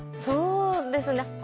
そうですね。